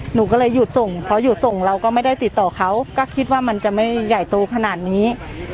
หนูก็เลยหยุดส่งเพราะหยุดส่งเราก็ไม่ได้ติดต่อเขาก็คิดว่ามันจะไม่ใหญ่โตขนาดนี้